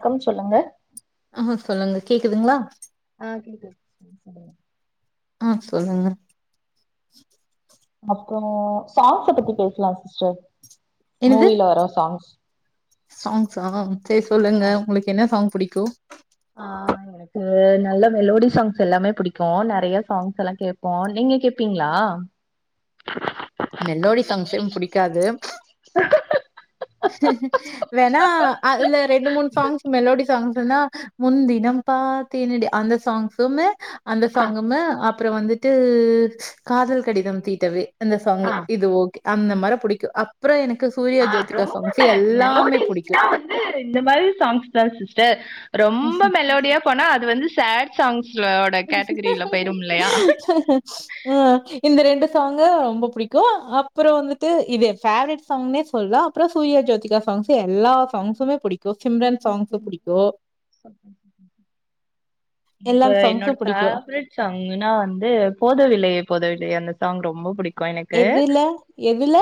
க்கம் சொல்லுங்க அ சொல்லுங்க கேக்குதுங்ளா ஆ கேக்குது [unintelligible] ஆஹ் சொல்லுங்க அப்போ சாங்ஸ பத்தி பேசலா சிஸ்டர் மூவில வரொ சாங்ஸ் சாங்ஸ் ஆ சேரி சொல்லுங்க ஆ உங்குளுக்கு என்ன சாங் புடிக்கு அ நல்ல மெலோடி சாங்ஸ் எல்லாமே பிடிக்கு நறைய சாங்ஸ் எல்லா கேப்போ நீங்க கேப்பீங்ளா மெலோடி சாங்ஸயும் புடிக்காது வேணா அதுல ரெண்டு மூணு சாங்ஸ் மெலோடி சாங்சுன்னா முன்தினம் பாத்தேனடி அந்த சாங்ஸ்சுமு அந்த ஆ சாங்குமு அப்புறோ வந்துட்டு காதல் கடிதம் தீட்டவே அந்த சாங்கு ஆ இது ஓகே அந்த மார புடிக்கு அப்புற என ஆஹ் ரொம்ப மெ புடிக்கு. மெலோடிஸ்னா வந்து இந்த மாரி சாங்ஸ் தா சிஸ்டர் ரொம்ப மெலோடியா போனா அது வந்து சேடு சா ஆஹ் இந்த ரெண்டு சாங்கு ரொம்ப புடிக்கு அப்புறோ வந்துட்டு இது எ ஃபேவரெட் சாங்னே சொல்லா அப்புறோ சூர்யா ஜோதிகா சாங்ஸ எல்லா சாங்ஸுமே புடி கு சிம்ரன் சாங்ஸு புடிக்கு எல்லா எனக்கு சாங்ஸு என்னோட ஃபேவரட் சாங்குனா வந்து போதவில்லையே போதவில்லையே அந்த சாங் ரொம்ப புடிக் கு எனக்கு எதுல எதுல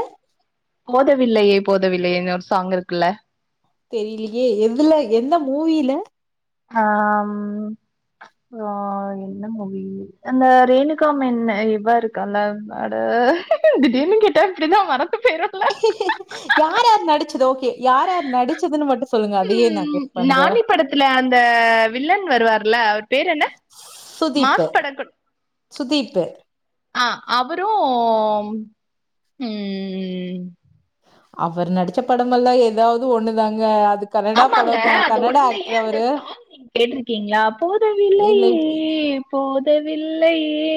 போதவில்லையே போதவில்லையே இன்னொரு சாங் இருக்குல்ல தெரியலையே எதுல எந்த மூவில ஆஹ் ஆஹ் என்ன மூவி அந்த ரேணுகாமனு இவ இருக்கால்ல அட திடீர்னு கேட்டா இப்படிதா மறந்து போயிரு யாராரு நடிச்சது ஓகே யாரார் நடிச்சதுன்னு மட்டு சொல்லுங்க அதையே நா ம் கெஸ் பண்றே நானி ல்ல பேர் என்ன மாஸ் படக்கணு சுதீப்பு அஹ் அவரும் உம் அவர் நடிச்ச படமெல்லா எதாவது ஒண்ணுதாங்க கன்னடா ஆமாங்க படம் தான். அது கன்னடா ஒன்லயே ஆக்டர் அந்த அவரு. சாங் நீங்க கேட்டிருக்கீங்களா இல்லை போதவில்லையே போதவில்லையே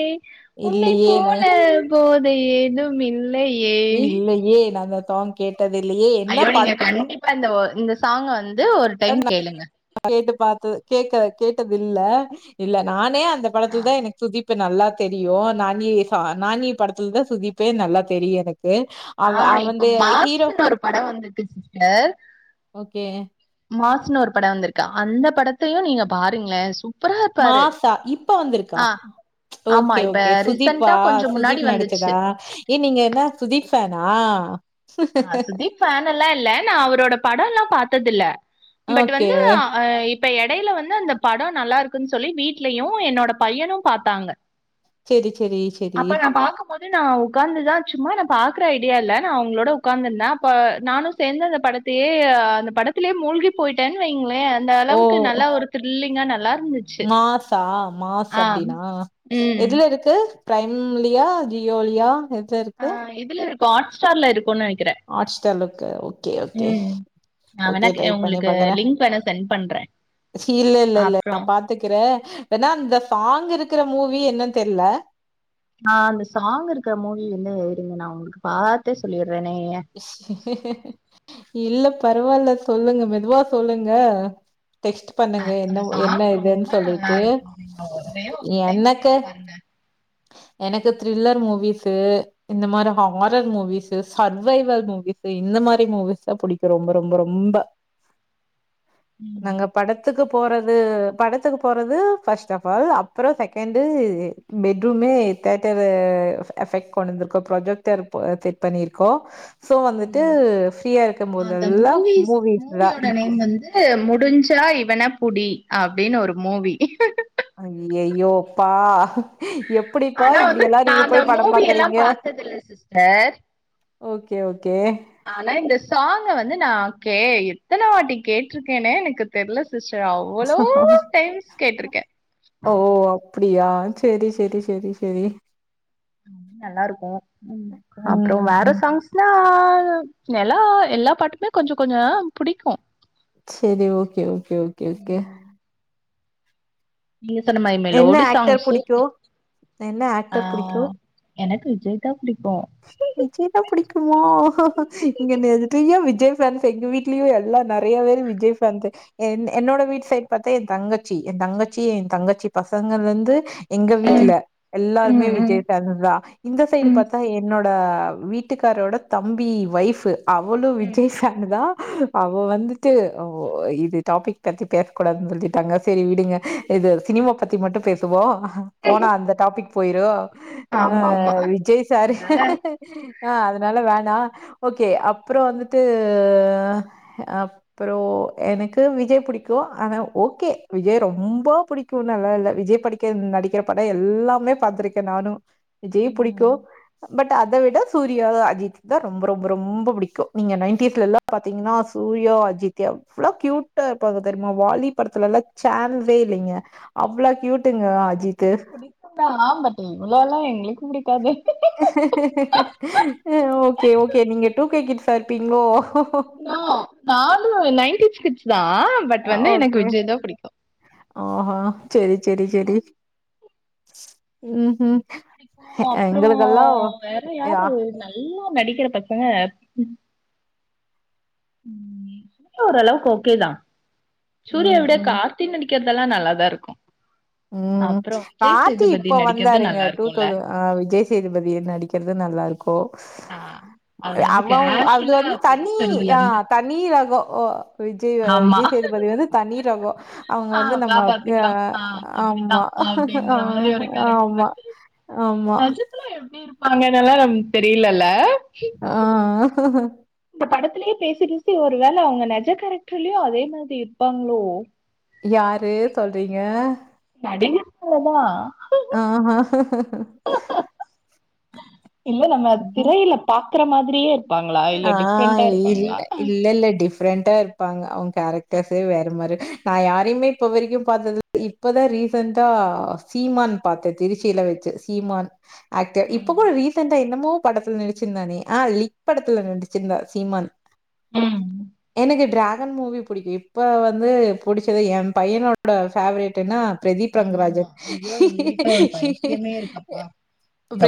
உன்னை இல்லையே நா போல போது ஏதும் இல் இல்லையே நாந்தா அது சாங் கேட் ட்டது இல்லையே என்ன பட ப்பா இந்த சாங்க வந்து ஒரு டைம் கேளுங்க கேட்டு பாத்த கேக்க கேட்டது இல்ல இல்ல நானே அந்த படத்துலதான் எனக்கு சுதீப் பு நல்லா தெரியு நானி நானி படத்துல தா சுதீப்பே நல்லா தெரியு எனக்கு அவ அவ ஆஹ் இப்ப வந்து ஹீரோ மாசுன்னு ஒரு பட வந்திருக்கு சிஸ்டர் ஓகே மா சுன்னு ஒரு பட வந்திருக்கு அந்த படத்தையு நீங்க பாருங்ளே மாசா இப்ப வந்திருக்கா ஆ ஆமா ஓகே இப்ப ஓகே சுதீப்பா ரீசெண்டா கொஞ்சம் முன்னாடி சுதீப் வந்துச்சு நடிச்சதா ஏ நீங்க என்ன சுதீப் ஃபேன் ஆ ஆஹ் சுதீப் ஃபேன் எல்லா இல்ல நா அவரோட பட எல்லா பாத்தது இல்ல பட் ஓகே வந்து அ இப்ப எடையில வந்து அந்த படம் நல்லா இருக்குன்னு சொல்லி வீட்லயு என்னோட பையனும் பாத்தாங்க செரி செரி செரி அப்ப நா பாக்கும்போது நா உக்காந்துதா சும்மா நா பாக்குற ஐடியா இல்ல நா அவுங்களோட உட்காந்துருந்த அப்ப நானு சேந்து அந்த படத்தையே அந்த படத்திலயே மூழ்கி போயிட்டேன்னு வைங்க ளே அந்த ஓ அளவுக்கு நல்லா ஒரு திரில்லிங்கா நல் மாசா மாசு ஆ. அப்டின்னா ம். எதுல இருக்கு பிரைம்லியா ஜியோலியா ஆஹ் இதுல இரு ஹாட்ஸ்டார்ல இருக் ஹாட்ஸ்டார்ல இருக்கா ஓகே ஓகே ம். நான் வேணா ஓகே கே- டைப் பண்ணி உங்களுக்கு பாக்குறேன் லிங்க் வேணா சென்ட் பண்றேன். இல்ல இல்ல இல்ல நா அப்புறம் பாத்துக்குறேன் ஏனா இந்த சாங் இருக்குற மூவி என்னன்னு தெர்ல ஆஹ் அந்த சாங் இருக்குற மூவி வந்து இருங்க நா உங்களுக்கு பாத்தே சொல்லி இல்லப் பரவால்ல சொல்லுங்க மெதுவா சொல்லுங்க டெக்ஸ்ட் அ பண்ணுங்க என்ன அந்த சாங் என்ன இதுன்னு ரொம்ப நல்லா சொல்லிட்டு இருக்கும் ஒரே ஒரு டைம் எனக்கு கேட்டு பாருங்க எனக் து திரில்லர் மூவிசு இந்த மாரி horror movies survival movies இந்த மாரி மூவிஸ் தா பிடிக்கு ரொம்ப ரொம்ப ரொம்ப ம் நாங்க படத்துக்குப் போறது படத்துக்கு போகறது ஃபர்ஸ்ட் ஆஃப் ஆல் அப்புறோ செகண்டு பெட்ரூமே தேட்டரு எஃபெக்ட்டு கொண்டு வந்துருக்கோ ப்ரொஜெக்டர் பொ செட் பண்ணிருக்கோ [inaudible] ம் ஃப்ரீயா இருக்கும் அந்த போதெல்லா மூவிஸ் தா மூவியோட நேம் வந்து முடிஞ்சா இவனப் புடி அப்டின்னு ஒரு மூவி ஐயய்யோப்பா ஆனா வந்து நா அந்த மூவி எல்லா பாக்குறீங்க பார்த்ததில்ல சிஸ்டர் ஓகே ஓகே ஆனா இந்த சாங்க வந்து நா கே எத்தன வாட்டி கேட்டிருக்கேனே எனக்கு தெரில ஸ் சிஸ்டர் அவ்ளோ டைம்ஸ் கேட்டிருக்கே ஓ அப்டியா செரி செரி செரி செரி நல்லாருக்கு அப்புறோ ம் வேற ம் சாங்ஸ்னா ஆ நிலா எல்லா பாட்டுமே கொஞ்சோ கொஞ்சோ புடிக்கு செரி ஓகே ஓகே ஓகே ஓகே நீங்க சொன்மாரி என்ன மெலோடி ஆக்டர் சாங்ஸு புடிக்கு என்ன ஆ ஆக்டர் எனக்கு ஜேத்தா நிச்சயமா புடிக்குமா இங்க நெறய விஜய் ஃபேன்ஸ் எங்க வீட்லயு எல்லா நெறயா பேர் விஜய் ஃபேன்ஸ் என் என்னோட வீட் சைட் பாத்தே எ தங்கச்சி எ தங்கச்சி எ தங்கச்சி பசங்கள்ளருந்து எங்க வீட்டுல ம் எல்லாருமே ம் ம் விஜய் ஃபேன்ஸ் தா இந்த சைடு ம் பத் என்னோட வீட்டுக்காரோட தம்பி ஒய்ஃபு அவளு ம் விஜய் ஃபேன் தா அவ வந்துட்டு வ் இது டாபிக் பத்தி பேச கூடாதுன்னு சொல்லிட்டாங்க செரி விடுங்க இது சினிமா பத்தி மட்டு பேசுவோ போனா அந்த டாபிக் பொய்றோ அ ஆமா ஆமா விஜய் சரி அதனால ஆ அதனால வேணா ஓகே அப்புறோ வந்துட்டு அப்புறோ எனக்கு விஜய் புடிக்கு ஆனா ஓகே விஜய் ரொம்ப புடிக்கு நல்லா இல்ல விஜய் படிக்க நடிக்கிற பட எல்லாமே பாத்திருக்கே நானு விஜய்ய புடிக்கு ம் பட் அத விட சூர்யா அஜித் தா ரொம்ப ரொம்ப ரொம்போ புடிக்கோ நீங்க நைன்டீஸ்லல்லா பாத்தீங்கன்னா சூர்யா அஜித் எவ்ளோ கியூட்டா இருப்பாங்க தெர்மா வாலி படத்துலல்ல சேன்ஸ்சே இல்லிங்க அவ்ளோ கியூட் அது புடிக்கு தா பட் இவ்ளோல்லா எங்களுக்கு புடிக்காது ஓகே ஓகே நீங்க டூ கே கே கிட்ஸ் சா இருபிங்களோ நா நைன்டீஸ் கிட்ஸ் தா பட் வந்து எனக்கு விஜய்தா புடிகோ அஹா செரி செரி செரி [inaudible] [inaudible] புடிக்கோ அப்றோ எங்களுக்கெல்லாம் வேற யா யாரு நல்லா நடிகிற பசங்க ம் ம் ஓரளவுகு ஓகேதா சூரிய ம், விட ம். கார்த்தி நடிப் க்கர்தெல்லா நல்லாதா இருக்கும் உம் கார்த்தி இப்ப நடிக்கிறது வந்தாருங்க நல்லா டூ இருக்குல்ல தௌசண்ட் ஆஹ் விஜய் சேதுபதி நடிகிறது நல்லா இருக்கு ஓ ஆ அவரு வந்து அவன் அது கேஷுவலா வந்து தனி பேசுறதுலருந்து ஆஹ் தனி ரகோ ஓ விஜய் ஆமா. விஜய் சேதுபதி வந்து தனி ரகோ அவுங்க ஆ வந்து வா நம்ம ஹ பாத்துக்கலாம். ஆ ஆமா அப்டிதான் அப்டின்ற ஆஹ் ஆமா ஆமா. ரஜினிலா எப்டி இருப் அவுங்க [unintelligible] தெரிலல ஆஹ் படத்துலயே பேசி பேசி ஒரு வேல அவுங்க நெஜ கேரெக்டர்லயோ அதே மாரி இருப்பாங்ளோ யாரு சொல்றீங்க நடிகர்கள தா ஆஹ்ஹ இல்ல நம்ம திரையில பாக் இருக்குற மாரியே ஆஹ் இல்ல இல்ல இல்ல டிஃப் டிஃப்ரெண்ட்டா இருபாங்க அவுங்க கேரக்டர்ஸே வேற மாரி ஹ் நா யாரையுமே இப்போ வரைக்கு பாத்தது இப்பதா ரீசன்டா சீமான் பாத்தே திருச்சில வெச்சு சீமான் ஆக்டர் இப்ப கூட ரீஸன்டா என்னமோ படத்துல நடிச்சிருந்தானே ஆ லி ப் படத்துல நடிச்சிருந்தா சீமான் ம். எனக்கு டிராக் முகன் மூவி புடிகி இப்போ வந்து புடிச்சது என் பையனோட ஃபேவரேட்டுனா ஆமாமா ஐயோ எங்க வீட்டுல ஒரு பைத்தியமே இருக்கபா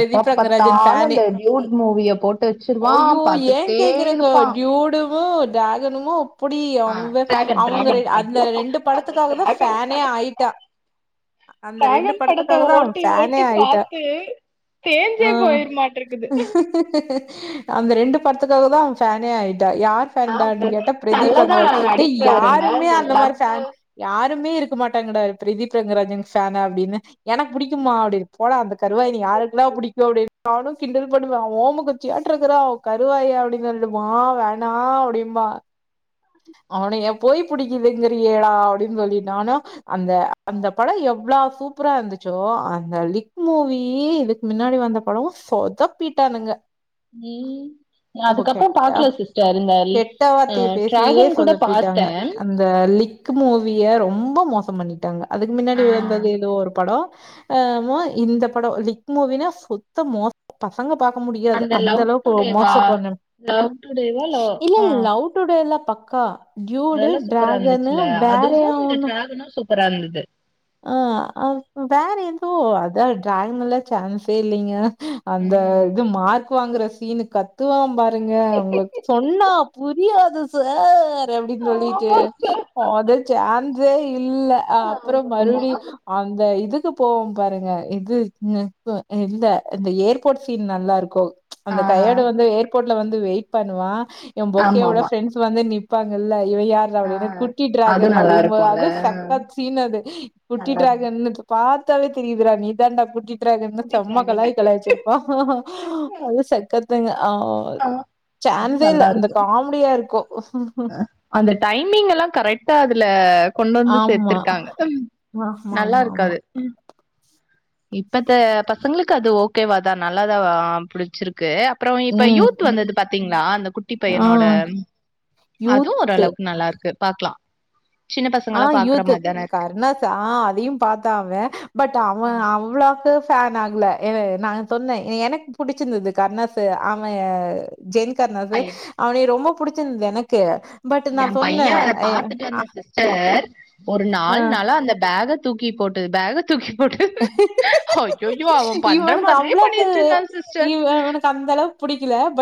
எப்பா ரங்கராஜன் பத்தாலு ஃபேனு அந்த டுயுட் மூவிய போட்டு வெச்சிரு ஐயோ ஏ கேக்கிறங்க டுயுடுவு ட்ராகன் சொல்லுங்க அப்படி ஆ அவ டிராகன் அவங்க டிராகன் அந்த ஐயோ ரெண்டு அந்த படத்துக்காக தான் டிராகன் பேன்னே பட ஆயிட்டா அந்த ரெண்டு டிராகன் படத்த படத்துக்காகதா ஓட்டி பேன்னே ஓட்டி ஆயிட்டா பாத்து உ தேஞ்சே போயிருமாட்டிருக்குது அந்த ரெண்டு படத்துக்காகதா ஃபேன்ஏஆயிட்டான் யார் ஆ ஃபேன் டா கேட்ட பிரதீப் நல்லதா ரெங்கராஜ் நடிக்கிறாருல்ல யாருமே இந்த அந்த மாதிரி லவ்வு ஃபேன் யார் யாருமே இருக்க மாட்டாங்கடா பிரதீப் ரெங்கராஜ் ஃபேன்னு அப்படினு எனக்கு பிடிக்குமா அப்படி போடா யாருக்குடா அந்த கருவாயன யாருக்குடா புடிக்கும் அப்படினாலும் கிண்டல் பண்ணுவேன் ஓம குச்சியாட் இருக்கறா கருவாயா அப்படின்னு சொல்லிட்டுவ வேணாம் அப்படிம்பா அவன ஏ போய் பிடிக்குதுங்றியேடா அப்படின்னு சொல்லி நானும் அந்த அந்த படம் எவ்வளவு சூப்பரா இருந்துச்சோ அந்த லிக் மூவி இதுக்கு முன்னாடி வந்த படம சொத பீட்டானுங்க உஹம் அதுக்கப்புறம் பாக்கல சிஸ்டர் இருந்தஹ் கெட்ட வார்த்தைய பேசியே சொதப்பிட்டாங்க அந்த லிக் மூவிய ரொம்ப ரொம்ப மோசம் பண்ணிட்டாங்க அதுக்கு முன்னாடி ஆ வந்தது ஏதோ ஒரு படம் ஆ இந்த படம் லிக் மூவினா சுத்தம் மோச பசங்க பார்க்க முடியாது அந்த லவ் அளவுக்கு டுடேவா மோச பண்ண லவ் டுடேவா லவ் இல்ல ஆ லவ் டுடே எல்லாம் பக்கா டியூடூ அதெல்லா சூப்பரா டிராகன்னு வேற ஒன்னு சூப்பராருந்தது ஆஹ் வேற ஏதோ அதான் டிராகன் சான்ஸே இல்லைங்க அந்த ம் இது மா வாங்கற சீனு கத்துவ பாரு பாங்க உங்களுக்கு சொன்னா புரியாது [inaudible] எப்படின்னு சொல்லிட்டு ஆமா அத சாந்து ஏய் இல்ல ஆமா அப்புறம் ஆமா மறுபடி அந்த இதுக்கு போவோம் பாருங்க இது இந்த இந்த ஏர்போர்ட் சீன் நல்லா இருக்கும் ஆ அந்த கையடு வந்து ஏர்போர்ட் ல வந்து வெயிட் பண்ணுவான் என் ஆமா பொக்கையோட ஆமா ஃரெண்ட்ஸ் வந்து நி இருப்பாங்கல்ல இவன்யார்ருல ஆ அப்படின்னு குட்டி அது டிராகன் நல்லா அப்படிம்போது இருக்கும்ல அது சக்க சீன் அது குட்டி நல்லா டிராகன் பார்த் பார்த்தாலே தெரியுதுடா நீ தான்டா குட்டி டிராகன்னு செம்ம கூட்டிட்டுறாங்கல்ல. கலாய் கலாயச்சிருப்பா அது சக்கர்த் தங்கா அ அது இந்த நல்லாருக்கு காமெடியா இருக்கு அந்த டைமிங் எல்லா கரெக்டா அதுல கொண்டு வந்து ஆமா சேத்துர்க்காங்க ஆமா ஆமா ஆமா நல்லாருக்காது இப்பத்த பசங்களுக்கு அது ஓக்கேவாதான் நல்லாதா புடிச்சிருக்கு அப்பறம் இப்ப ம் யூத் ம் வந்தது பாத்தீங்ளா அந்த குட்டி ஆ பையனோட அதூ யூத்து ஓரளவுக்கு நல்லா இருக்கு பாக்லாம் ஆ யூத்து இருக்கு கர்ணாஸ் ஆ அதையும் பாத்தா அவன் பட் அவன் அவ்ளோக்கு ஃபேன் ஆகல எனக்கு நா சொன்ன எனக்கு புடிச்சிருந்துது கர்ணாசு அவ ஜென் கர்னாசு பைய அவனய ரொம்பப் புடிச்சிருந்து எனக்கு பட் நான் சொன்ன அ சர் ஒரு நாள் நாளா அந்த பேக் பேக தூக்கி போட்டு பேக தூக்கி போட்டு அய்யய்யோ அவன் பண்ற இவனுக்கு மாத்ரியே அவ்ளோக்கு பண்ணிட்ருந்தான் சிஸ்டர்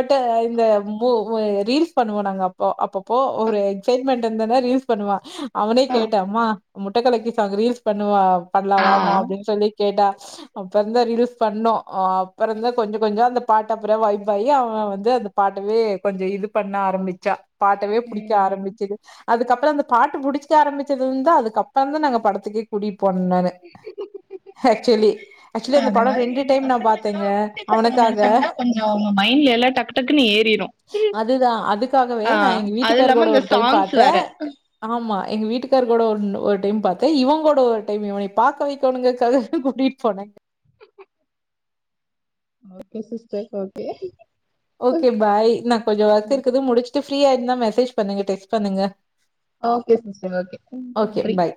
ட்டு இந்த போ ஒ ரீல்ஸ் பண்ணுவோ நாங்க அப்போ அப்பப்போ ஒரு எக்சைட்மெண்ட் இருந்துனா ரீல்ஸ் பண்ணுவோ அவனே ஆ கேட்டா‌ அம்மா முட்ட கலக்கி சாங் ரீல்ஸ் பண்ணுவா பண்லா ஆ வாமா அப்டின்னு னு கேட்டா அப்புறந்த ரிலீஸ் பண்ணு அப்புறந்தா கொஞ்ச கொஞ்ச அந்த பாட்ட அப்பற வைப் ஆகி அவங்க வந்து அந்த பாட்டவே கொஞ்ச இது பண்ண ஆரம்பிச்சா பாட்டவே புடிக்க ம் ஆரம்பிச்சது அதுக்கப்பறோ அந்த பாட்ட புடிசிக்க ஆரம்பிச்சதுலந்தா அதுக்கப்பறந்தா நாங்க படத்துக்கே கூட்டிட்டு போன நானு ஆக்சுவலி ஆக்சுவலி அந்த அது பட மாரி ரெண்டு இந்த டைம் நா பசங்களுக்கெல்லா பாத்தேங்க குட்டி பசங்க அவனுக்காக நடிச்சாங்கன்னா கொஞ்சோ அவங்க மைண்ட்ல எல்லா டக்கு டக்குன்னு ஏறிரு அதுதா அதுக்காகவே ஆ நா எங்க அது வீட்டுக்கார இல்லாம கூட இந்த ஒரு டைம் சாங்ஸ் பாத்த வேற மா எங்க வீட்டுக்கார கூட ஒன் ஒரு டைம் பார்த்தே இவன் கூட ஒரு டைம் இவன பாக்க வைக் தோணுங்க கத கூட்டிட்டு போனே okay sister okay okay bye நா கொஞ்ச வொர்க் இருக்குது முடிச்சிட்டு ஃப்ரீயாருந்தா மெசேஜ் பண்றே பண்ணுங்க டெஸ்ட் பண்ணுங்க ஓகே சிஸ்டர் ஓகே ஓகே நன்றி பாய்.